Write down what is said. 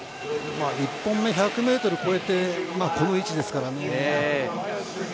１本目１００ｍ超えてこの位置ですからね。